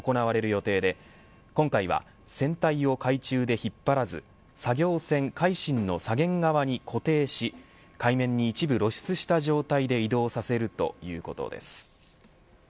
予定で今回は船体を海中で引っ張らず作業船、海進の左舷側に固定し海面に一部露出した状態で移動させるということです。